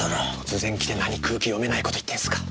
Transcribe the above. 突然来て何空気読めない事言ってんすか。